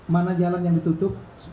mana jalan yang ditutup